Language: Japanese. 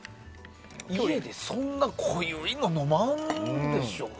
家でそんな濃いの飲まないでしょ。